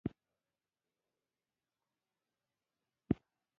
د بامیان په شیبر کې د وسپنې نښې شته.